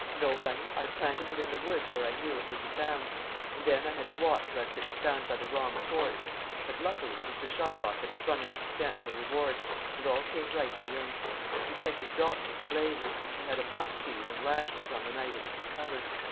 No, Bunny, I planted it in the woods where I knew it would be found. And then I had to watch lest it was found by the wrong sort. But luckily Mr. Shylock had sprung a substantial reward, and all came right in the end. He sent his doctor to blazes, and had a buck feed and lashings on the night it was recovered.